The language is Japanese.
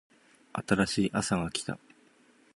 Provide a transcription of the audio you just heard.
新しいあさが来た